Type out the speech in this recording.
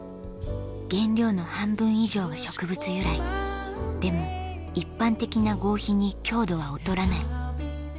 原料の半分以上が植物由来でも一般的な合皮に強度は劣らない